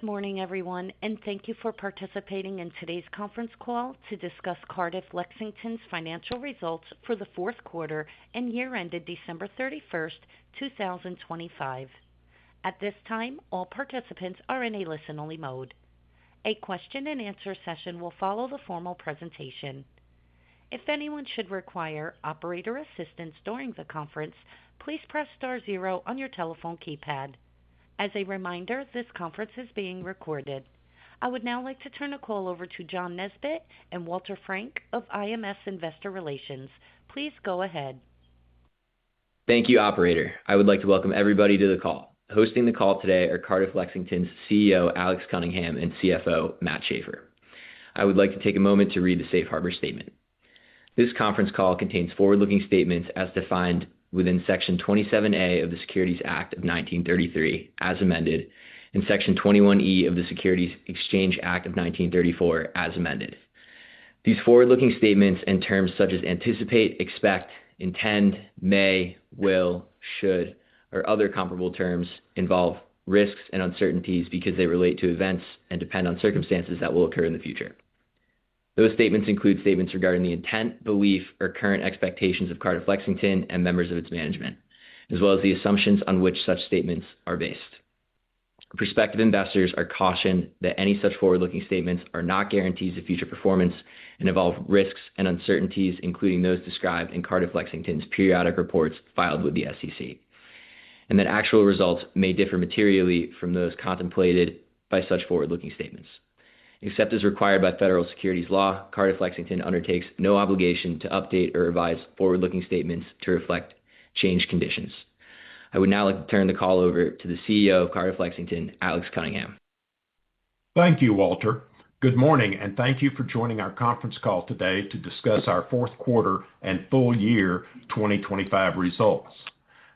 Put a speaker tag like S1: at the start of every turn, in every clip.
S1: Good morning, everyone, and thank you for participating in today's conference call to discuss Cardiff Lexington's financial results for the fourth quarter and year-ended December 31st, 2025. At this time, all participants are in a listen-only mode. A question and answer session will follow the formal presentation. If anyone should require operator assistance during the conference, please press star zero on your telephone keypad. As a reminder, this conference is being recorded. I would now like to turn the call over to Jon Nesbitt and Walter Frank of IMS Investor Relations. Please go ahead.
S2: Thank you, operator. I would like to welcome everybody to the call. Hosting the call today are Cardiff Lexington's CEO, Alex Cunningham, and CFO, Matt Schaefer. I would like to take a moment to read the safe harbor statement. This conference call contains forward-looking statements as defined within Section 27A of the Securities Act of 1933, as amended, and Section 21E of the Securities Exchange Act of 1934, as amended. These forward-looking statements and terms such as anticipate, expect, intend, may, will, should, or other comparable terms involve risks and uncertainties because they relate to events and depend on circumstances that will occur in the future. Those statements include statements regarding the intent, belief, or current expectations of Cardiff Lexington and members of its management, as well as the assumptions on which such statements are based. Prospective investors are cautioned that any such forward-looking statements are not guarantees of future performance and involve risks and uncertainties, including those described in Cardiff Lexington's periodic reports filed with the SEC, and that actual results may differ materially from those contemplated by such forward-looking statements. Except as required by federal securities law, Cardiff Lexington undertakes no obligation to update or revise forward-looking statements to reflect changed conditions. I would now like to turn the call over to the CEO of Cardiff Lexington, Alex Cunningham.
S3: Thank you, Walter. Good morning, and thank you for joining our conference call today to discuss our fourth quarter and full year 2025 results.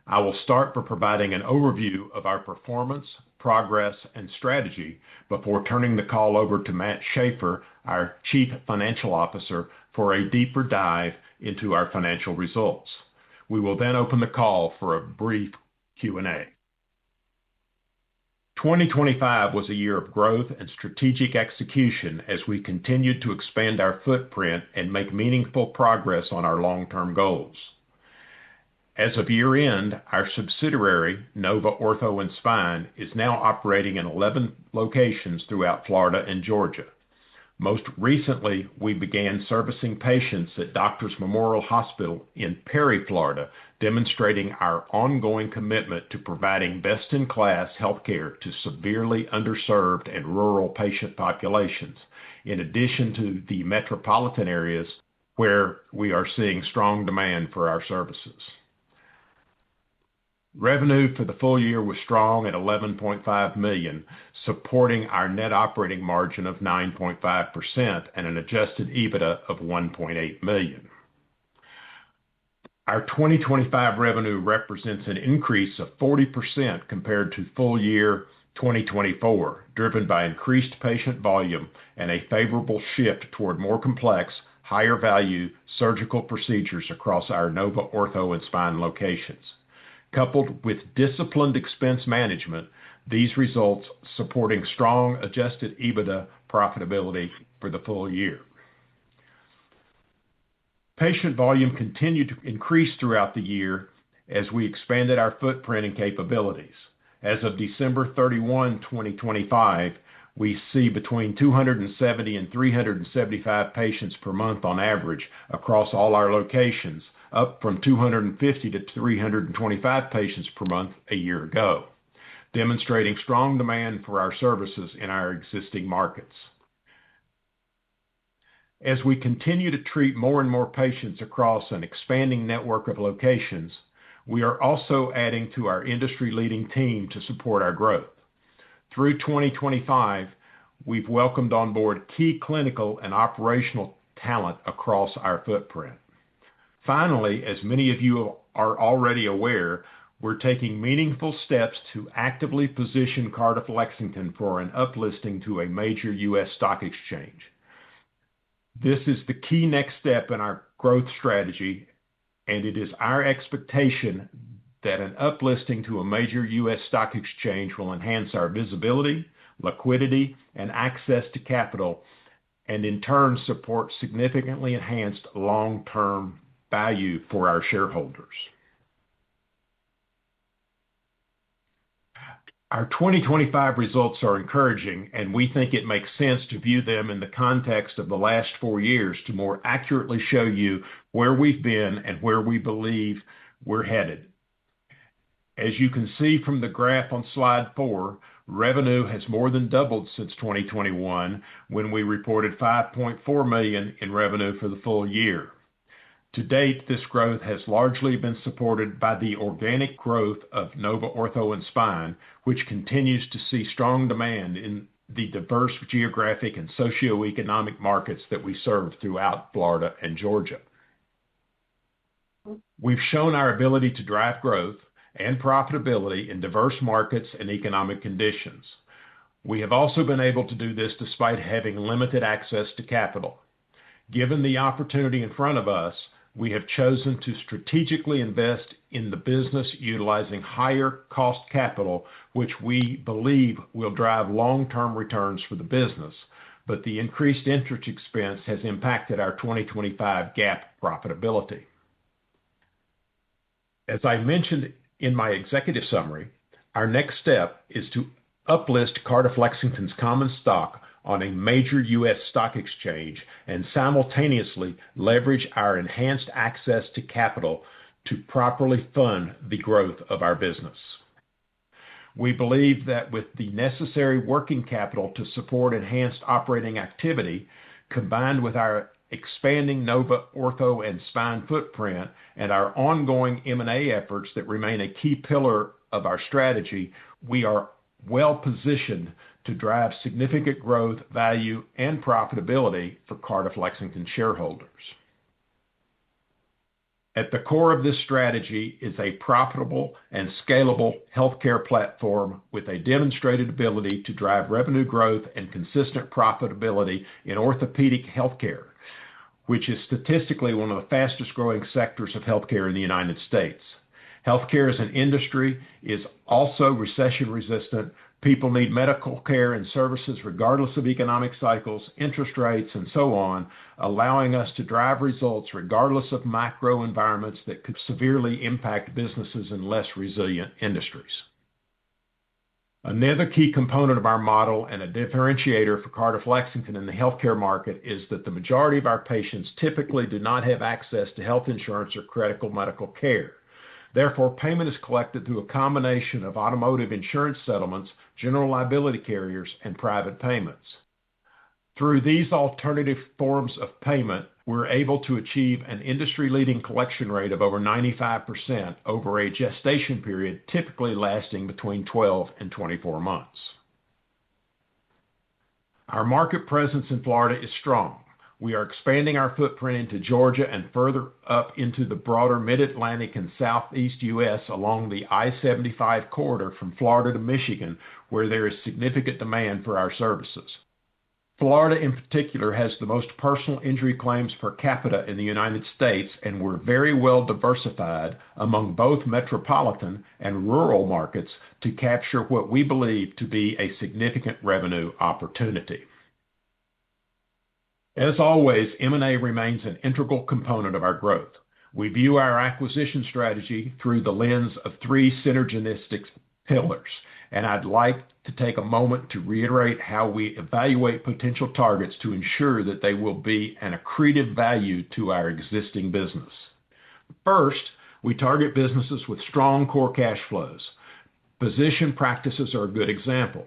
S3: I will start for providing an overview of our performance, progress, and strategy before turning the call over to Matt Schaefer, our chief financial officer, for a deeper dive into our financial results. We will then open the call for a brief Q&A. 2025 was a year of growth and strategic execution as we continued to expand our footprint and make meaningful progress on our long-term goals. As of year-end, our subsidiary, Nova Ortho & Spine, is now operating in 11 locations throughout Florida and Georgia. Most recently, we began servicing patients at Doctors' Memorial Hospital in Perry, Florida, demonstrating our ongoing commitment to providing best-in-class healthcare to severely underserved and rural patient populations, in addition to the metropolitan areas where we are seeing strong demand for our services. Revenue for the full year was strong at $11.5 million, supporting our net operating margin of 9.5% and an adjusted EBITDA of $1.8 million. Our 2025 revenue represents an increase of 40% compared to full year 2024, driven by increased patient volume and a favorable shift toward more complex, higher-value surgical procedures across our Nova Ortho & Spine locations. Coupled with disciplined expense management, these results supporting strong adjusted EBITDA profitability for the full year. Patient volume continued to increase throughout the year as we expanded our footprint and capabilities. As of December 31, 2025, we see between 270 and 375 patients per month on average across all our locations, up from 250 to 325 patients per month a year ago, demonstrating strong demand for our services in our existing markets. As we continue to treat more and more patients across an expanding network of locations, we are also adding to our industry-leading team to support our growth. Through 2025, we've welcomed on board key clinical and operational talent across our footprint. Finally, as many of you are already aware, we're taking meaningful steps to actively position Cardiff Lexington for an up-listing to a major U.S. stock exchange. This is the key next step in our growth strategy. It is our expectation that an up-listing to a major U.S. stock exchange will enhance our visibility, liquidity, and access to capital, in turn, support significantly enhanced long-term value for our shareholders. Our 2025 results are encouraging. We think it makes sense to view them in the context of the last four years to more accurately show you where we've been and where we believe we're headed. As you can see from the graph on slide four, revenue has more than doubled since 2021 when we reported $5.4 million in revenue for the full year. To date, this growth has largely been supported by the organic growth of Nova Ortho & Spine, which continues to see strong demand in the diverse geographic and socioeconomic markets that we serve throughout Florida and Georgia. We've shown our ability to drive growth and profitability in diverse markets and economic conditions. We have also been able to do this despite having limited access to capital. Given the opportunity in front of us, we have chosen to strategically invest in the business utilizing higher cost capital, which we believe will drive long-term returns for the business. The increased interest expense has impacted our 2025 GAAP profitability. As I mentioned in my executive summary, our next step is to up-list Cardiff Lexington's common stock on a major U.S. stock exchange, simultaneously leverage our enhanced access to capital to properly fund the growth of our business. We believe that with the necessary working capital to support enhanced operating activity, combined with our expanding Nova Ortho and Spine footprint and our ongoing M&A efforts that remain a key pillar of our strategy, we are well-positioned to drive significant growth, value, and profitability for Cardiff Lexington shareholders. At the core of this strategy is a profitable and scalable healthcare platform with a demonstrated ability to drive revenue growth and consistent profitability in orthopedic healthcare, which is statistically one of the fastest-growing sectors of healthcare in the U.S. Healthcare as an industry is recession-resistant. People need medical care and services regardless of economic cycles, interest rates, and so on, allowing us to drive results regardless of macro environments that could severely impact businesses in less resilient industries. Another key component of our model and a differentiator for Cardiff Lexington in the healthcare market is that the majority of our patients typically do not have access to health insurance or critical medical care. Payment is collected through a combination of automotive insurance settlements, general liability carriers, and private payments. Through these alternative forms of payment, we're able to achieve an industry-leading collection rate of over 95% over a gestation period, typically lasting between 12 and 24 months. Our market presence in Florida is strong. We are expanding our footprint into Georgia and further up into the broader mid-Atlantic and Southeast U.S. along the I-75 corridor from Florida to Michigan, where there is significant demand for our services. Florida, in particular, has the most personal injury claims per capita in the U.S. We're very well diversified among both metropolitan and rural markets to capture what we believe to be a significant revenue opportunity. As always, M&A remains an integral component of our growth. We view our acquisition strategy through the lens of three synergistic pillars. I'd like to take a moment to reiterate how we evaluate potential targets to ensure that they will be an accretive value to our existing business. First, we target businesses with strong core cash flows. Physician practices are a good example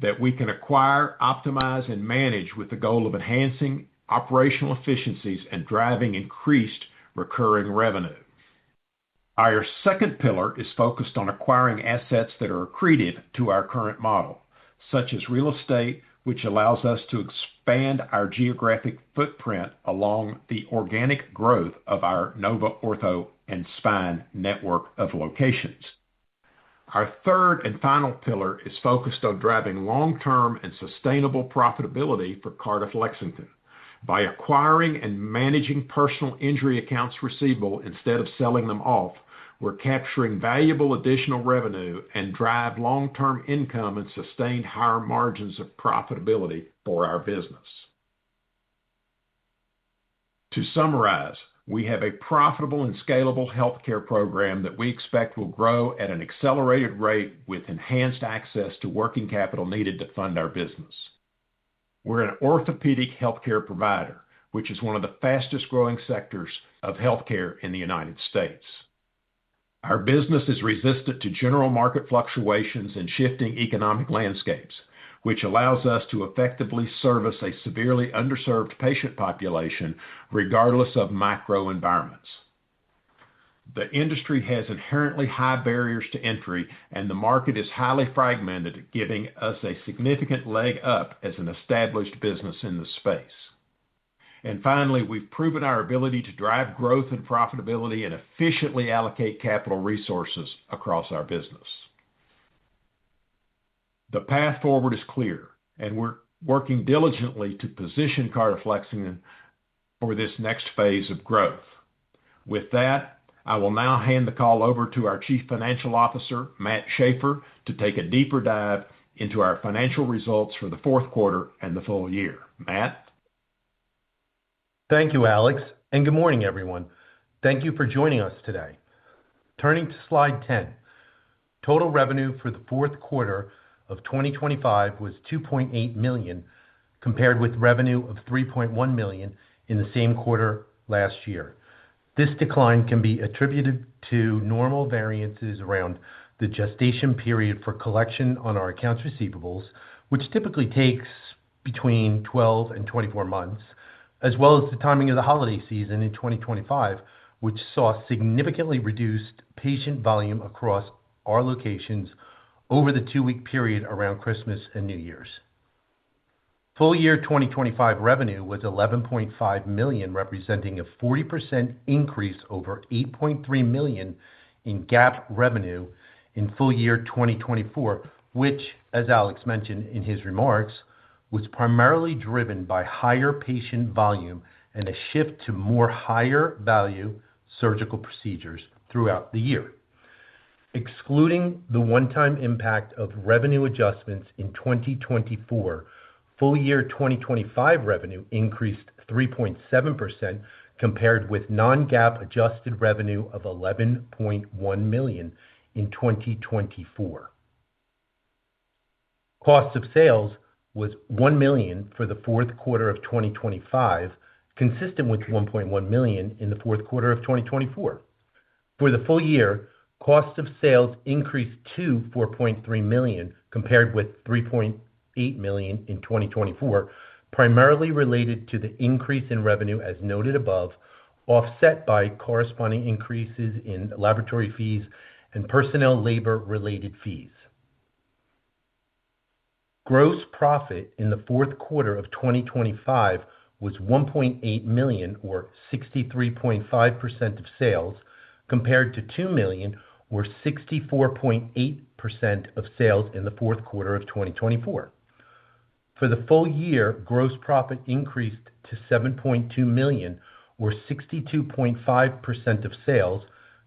S3: that we can acquire, optimize, and manage with the goal of enhancing operational efficiencies and driving increased recurring revenue. Our second pillar is focused on acquiring assets that are accretive to our current model, such as real estate, which allows us to expand our geographic footprint along the organic growth of our Nova Ortho and Spine network of locations. Our third and final pillar is focused on driving long-term and sustainable profitability for Cardiff Lexington. By acquiring and managing personal injury accounts receivable instead of selling them off, we're capturing valuable additional revenue and drive long-term income and sustained higher margins of profitability for our business. To summarize, we have a profitable and scalable healthcare program that we expect will grow at an accelerated rate with enhanced access to working capital needed to fund our business. We're an orthopedic healthcare provider, which is one of the fastest-growing sectors of healthcare in the U.S. Our business is resistant to general market fluctuations and shifting economic landscapes, which allows us to effectively service a severely underserved patient population regardless of macro environments. The industry has inherently high barriers to entry, and the market is highly fragmented, giving us a significant leg up as an established business in this space. Finally, we've proven our ability to drive growth and profitability and efficiently allocate capital resources across our business. The path forward is clear, and we're working diligently to position Cardiff Lexington for this next phase of growth. With that, I will now hand the call over to our Chief Financial Officer, Matt Schaefer, to take a deeper dive into our financial results for the fourth quarter and the full year. Matt?
S4: Thank you, Alex. Good morning, everyone. Thank you for joining us today. Turning to slide 10. Total revenue for the fourth quarter of 2025 was $2.8 million, compared with revenue of $3.1 million in the same quarter last year. This decline can be attributed to normal variances around the gestation period for collection on our accounts receivables, which typically takes between 12 and 24 months, as well as the timing of the holiday season in 2025, which saw significantly reduced patient volume across our locations over the two-week period around Christmas and New Year's. Full year 2025 revenue was $11.5 million, representing a 40% increase over $8.3 million in GAAP revenue in full year 2024, which, as Alex mentioned in his remarks, was primarily driven by higher patient volume and a shift to more higher value surgical procedures throughout the year. Excluding the one-time impact of revenue adjustments in 2024, full year 2025 revenue increased 3.7%, compared with non-GAAP adjusted revenue of $11.1 million in 2024. Cost of sales was $1 million for the fourth quarter of 2025, consistent with $1.1 million in the fourth quarter of 2024. For the full year, cost of sales increased to $4.3 million, compared with $3.8 million in 2024, primarily related to the increase in revenue as noted above, offset by corresponding increases in laboratory fees and personnel labor related fees. Gross profit in the fourth quarter of 2025 was $1.8 million or 63.5% of sales, compared to $2 million or 64.8% of sales in the fourth quarter of 2024. For the full year, gross profit increased to $7.2 million or 62.5% of sales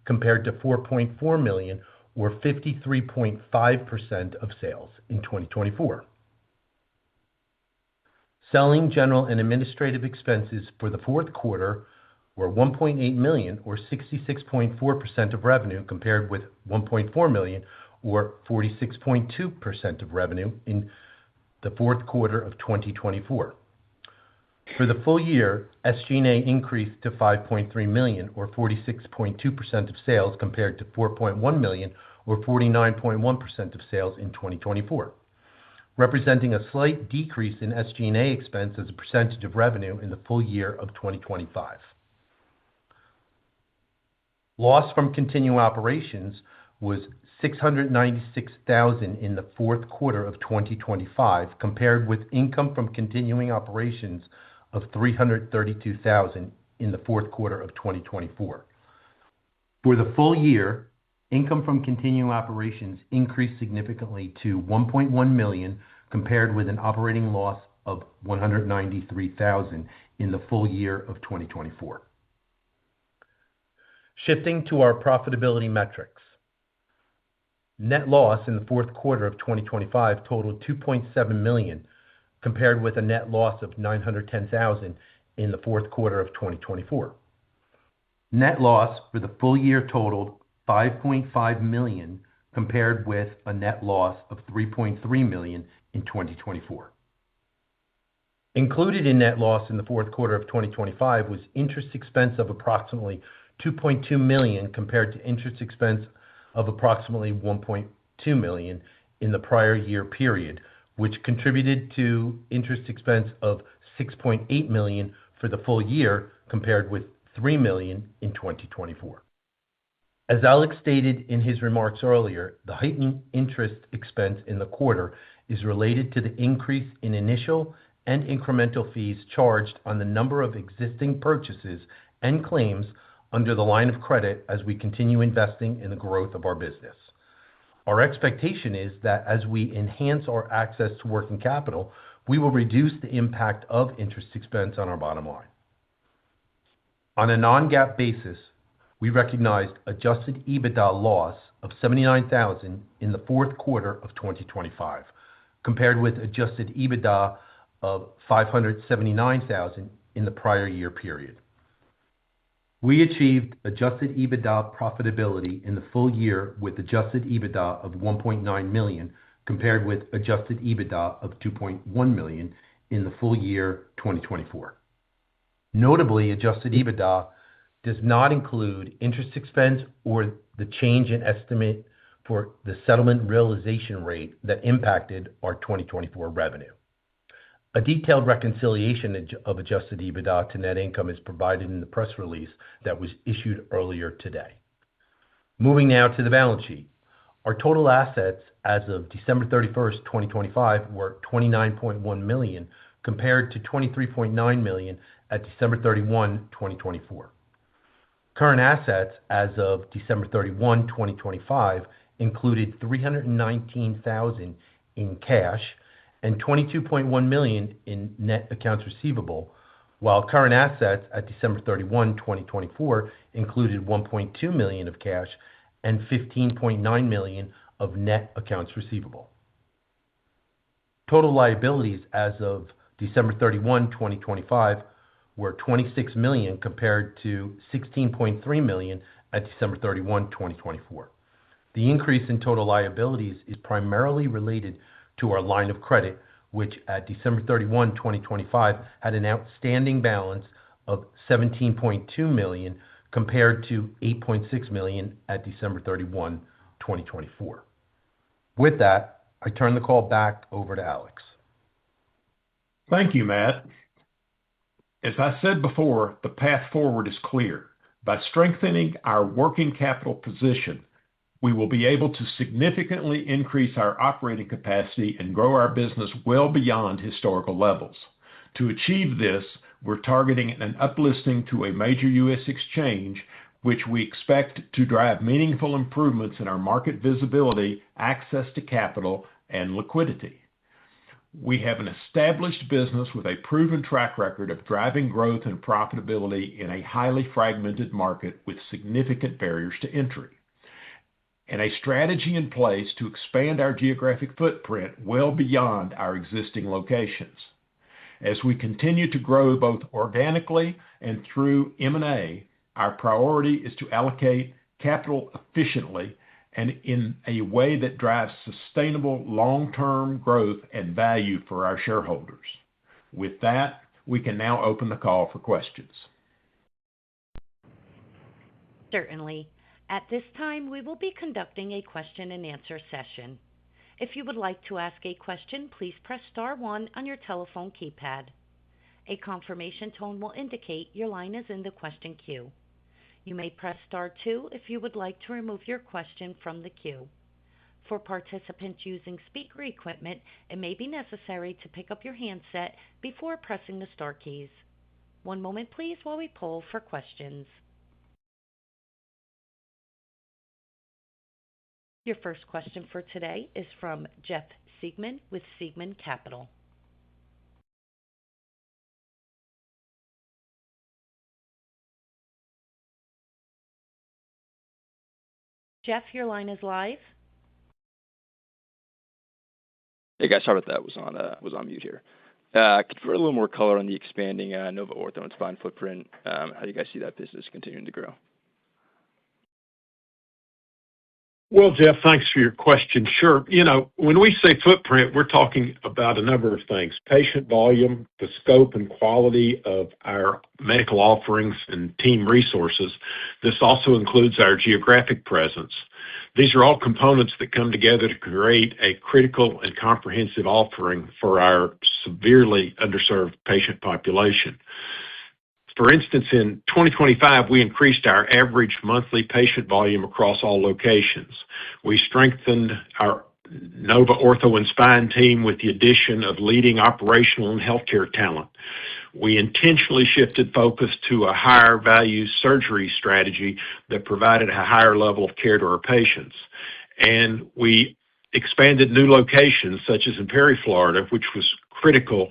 S4: compared to $4.4 million or 53.5% of sales in 2024. Selling, general, and administrative expenses for the fourth quarter were $1.8 million or 66.4% of revenue, compared with $1.4 million or 46.2% of revenue in the fourth quarter of 2024. For the full year, SG&A increased to $5.3 million or 46.2% of sales compared to $4.1 million or 49.1% of sales in 2024, representing a slight decrease in SG&A expense as a percentage of revenue in the full year of 2025. Loss from continuing operations was $696,000 in the fourth quarter of 2025, compared with income from continuing operations of $332,000 in the fourth quarter of 2024. For the full year, income from continuing operations increased significantly to $1.1 million, compared with an operating loss of $193,000 in the full year of 2024. Shifting to our profitability metrics. Net loss in the fourth quarter of 2025 totaled $2.7 million, compared with a net loss of $910,000 in the fourth quarter of 2024. Net loss for the full year totaled $5.5 million, compared with a net loss of $3.3 million in 2024. Included in net loss in the fourth quarter of 2025 was interest expense of approximately $2.2 million, compared to interest expense of approximately $1.2 million in the prior year period, which contributed to interest expense of $6.8 million for the full year, compared with $3 million in 2024. As Alex stated in his remarks earlier, the heightened interest expense in the quarter is related to the increase in initial and incremental fees charged on the number of existing purchases and claims under the line of credit as we continue investing in the growth of our business. Our expectation is that as we enhance our access to working capital, we will reduce the impact of interest expense on our bottom line. On a non-GAAP basis, we recognized adjusted EBITDA loss of $79,000 in the fourth quarter of 2025, compared with adjusted EBITDA of $579,000 in the prior year period. We achieved adjusted EBITDA profitability in the full year with adjusted EBITDA of $1.9 million, compared with adjusted EBITDA of $2.1 million in the full year 2024. Notably, adjusted EBITDA does not include interest expense or the change in estimate for the settlement realization rate that impacted our 2024 revenue. A detailed reconciliation of adjusted EBITDA to net income is provided in the press release that was issued earlier today. Moving now to the balance sheet. Our total assets as of December 31, 2025, were $29.1 million, compared to $23.9 million at December 31, 2024. Current assets as of December 31, 2025, included $319,000 in cash and $22.1 million in net accounts receivable, while current assets at December 31, 2024, included $1.2 million of cash and $15.9 million of net accounts receivable. Total liabilities as of December 31, 2025, were $26 million, compared to $16.3 million at December 31, 2024. The increase in total liabilities is primarily related to our line of credit, which at December 31, 2025, had an outstanding balance of $17.2 million, compared to $8.6 million at December 31, 2024. With that, I turn the call back over to Alex.
S3: Thank you, Matt. As I said before, the path forward is clear. By strengthening our working capital position, we will be able to significantly increase our operating capacity and grow our business well beyond historical levels. To achieve this, we're targeting an up-listing to a major U.S. exchange, which we expect to drive meaningful improvements in our market visibility, access to capital, and liquidity. We have an established business with a proven track record of driving growth and profitability in a highly fragmented market with significant barriers to entry, and a strategy in place to expand our geographic footprint well beyond our existing locations. As we continue to grow both organically and through M&A, our priority is to allocate capital efficiently and in a way that drives sustainable long-term growth and value for our shareholders. With that, we can now open the call for questions.
S1: Certainly. At this time, we will be conducting a question and answer session. If you would like to ask a question, please press star one on your telephone keypad. A confirmation tone will indicate your line is in the question queue. You may press star two if you would like to remove your question from the queue. For participants using speaker equipment, it may be necessary to pick up your handset before pressing the star keys. One moment please while we poll for questions. Your first question for today is from Jeff Siegman with Siegman Capital. Jeff, your line is live.
S5: Hey, guys. Sorry about that. Was on mute here. Could you provide a little more color on the expanding Nova Ortho and Spine footprint? How do you guys see that business continuing to grow?
S3: Well, Jeff, thanks for your question. Sure. When we say footprint, we're talking about a number of things. Patient volume, the scope and quality of our medical offerings and team resources. This also includes our geographic presence. These are all components that come together to create a critical and comprehensive offering for our severely underserved patient population. For instance, in 2025, we increased our average monthly patient volume across all locations. We strengthened our Nova Ortho and Spine team with the addition of leading operational and healthcare talent. We intentionally shifted focus to a higher value surgery strategy that provided a higher level of care to our patients. We expanded new locations such as in Perry, Florida, which was critical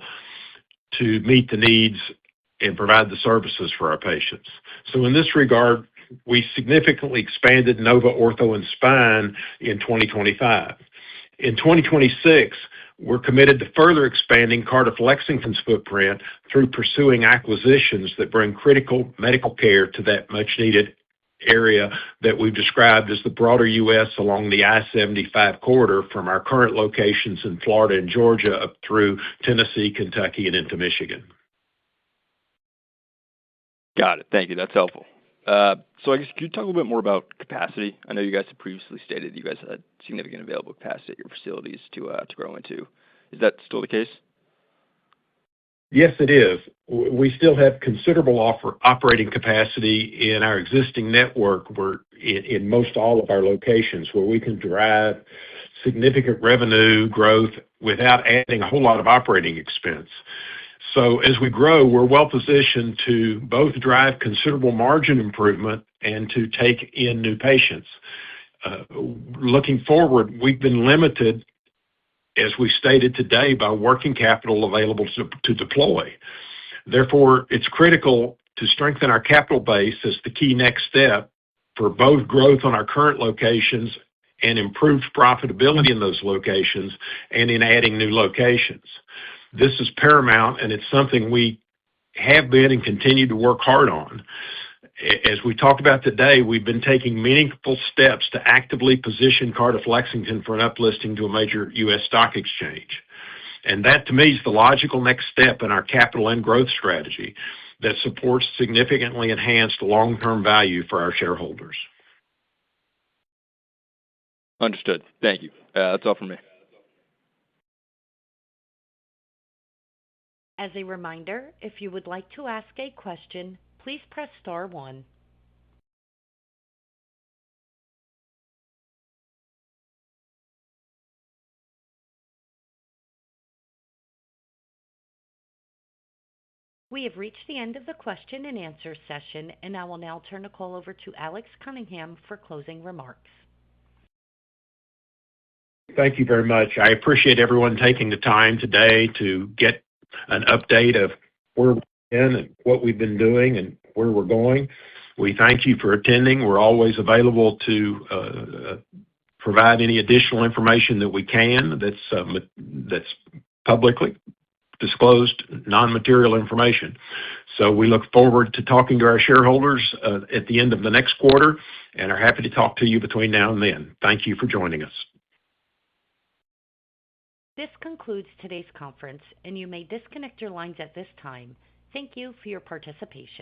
S3: to meet the needs and provide the services for our patients. In this regard, we significantly expanded Nova Ortho and Spine in 2025. In 2026, we're committed to further expanding Cardiff Lexington's footprint through pursuing acquisitions that bring critical medical care to that much needed area that we've described as the broader U.S. along the I-75 corridor from our current locations in Florida and Georgia up through Tennessee, Kentucky, and into Michigan.
S5: Got it. Thank you. That's helpful. I guess, could you talk a little bit more about capacity? I know you guys have previously stated you guys had significant available capacity at your facilities to grow into. Is that still the case?
S3: Yes, it is. We still have considerable operating capacity in our existing network where in most all of our locations where we can drive significant revenue growth without adding a whole lot of operating expense. As we grow, we're well positioned to both drive considerable margin improvement and to take in new patients. Looking forward, we've been limited, as we stated today, by working capital available to deploy. Therefore, it's critical to strengthen our capital base as the key next step for both growth on our current locations and improved profitability in those locations and in adding new locations. This is paramount, and it's something we have been and continue to work hard on. As we talked about today, we've been taking meaningful steps to actively position Cardiff Lexington for an up-listing to a major U.S. stock exchange. That, to me, is the logical next step in our capital and growth strategy that supports significantly enhanced long-term value for our shareholders.
S5: Understood. Thank you. That's all for me.
S1: As a reminder, if you would like to ask a question, please press star one. We have reached the end of the question and answer session. I will now turn the call over to Alex Cunningham for closing remarks.
S3: Thank you very much. I appreciate everyone taking the time today to get an update of where we've been and what we've been doing and where we're going. We thank you for attending. We're always available to provide any additional information that we can that's publicly disclosed, non-material information. We look forward to talking to our shareholders at the end of the next quarter and are happy to talk to you between now and then. Thank you for joining us.
S1: This concludes today's conference. You may disconnect your lines at this time. Thank you for your participation.